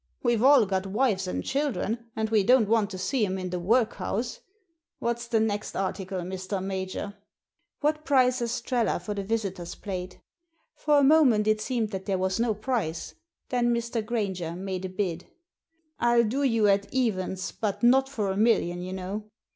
We've all got wives and children, and we don't want to see *em in the workhouse. Whaf s the next article, Mr. Major ?"« What price Estrella for the Visitors' Plate ?" For a moment it seemed that there was no price. Then Mr. Grainger made a bid. " rU do you at evens, but not for a million, you know."